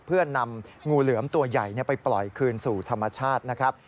เพื่อนำงูเหลือมตัวใหญ่ไปปล่อยคืนสู่ธรรมชาตินะครับ